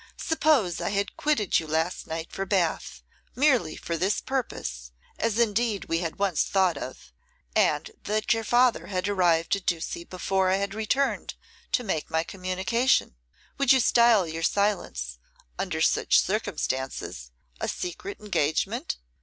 Suppose I had quitted you last night for Bath, merely for this purpose, as indeed we had once thought of, and that your father had arrived at Ducie before I had returned to make my communication: would you style your silence, under such circumstances, a secret engagement?